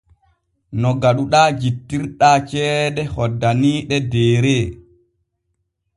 No gaɗuɗaa jittirɗaa ceede hoddaniiɗe Deere.